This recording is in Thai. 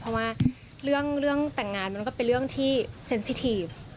เพราะว่าเรื่องแต่งงานมันก็เป็นเรื่องที่เซ็นซีทีฟ